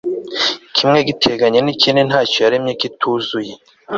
kimwe giteganye n'ikindi nta cyo yaremye kituzuye